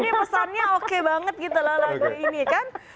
jadi ini pesannya oke banget gitu lah lagu ini kan